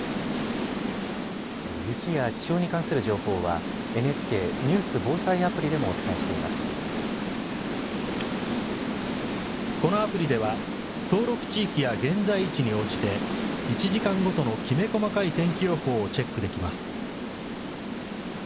雪や気象に関する情報は、ＮＨＫニュース・防災アプリでもおこのアプリでは、登録地域や現在位置に応じて、１時間ごとのきめ細かい天気予報をチェックできます。